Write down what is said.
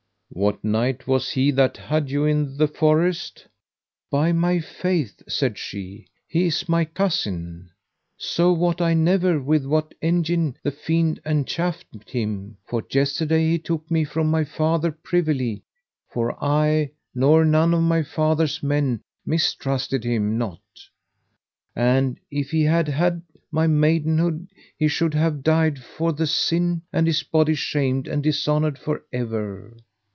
What knight was he that had you in the forest? By my faith, said she, he is my cousin. So wot I never with what engine the fiend enchafed him, for yesterday he took me from my father privily; for I, nor none of my father's men, mistrusted him not, and if he had had my maidenhead he should have died for the sin, and his body shamed and dishonoured for ever.